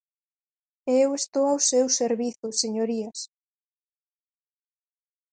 E eu estou ao seu servizo, señorías.